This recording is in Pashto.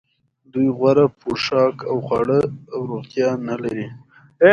دوی غوره پوښاک او خواړه او روغتیا نلري